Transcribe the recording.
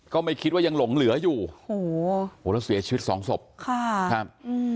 ก็ไม่คิดว่ายังหลงเหลืออยู่โอ้โหแล้วเสียชีวิตสองศพค่ะครับ